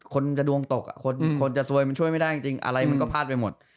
คนจะดวงตกคนจะซวยมันช่วยไม่ได้จริงอะไรมันก็พลาดไปหมด